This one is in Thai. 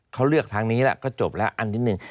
เขาเลือกทางนี้แล้วก็จบแล้วอันที่หนึ่ง